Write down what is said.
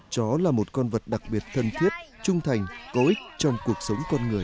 chó là một con vật đặc biệt thân thiết trung thành có ích trong cuộc sống con người